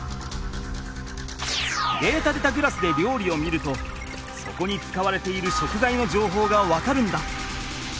データでたグラスでりょうりを見るとそこに使われている食材のじょうほうが分かるんだ。